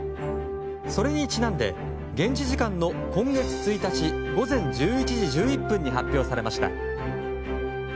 それにちなんで現地時間の今月１日午前１１時１１分に発表されました。